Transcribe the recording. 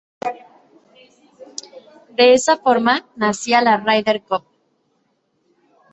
De esa forma nacía la Ryder Cup.